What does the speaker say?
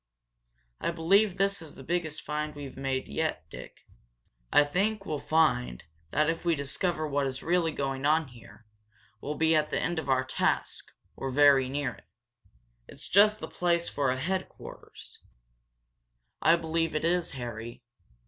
"I believe this is the biggest find we've made yet, Dick," he said. "I think we'll find that if we discover what is really going on here, we'll be at the end of our task or very near it. It's just the place for a headquarters." "I believe it is, Harry.